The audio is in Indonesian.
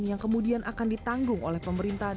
yang kemudian akan ditanggung oleh pemerintah